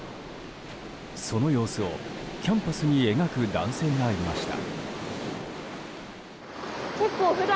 その様子をキャンパスに描く男性がいました。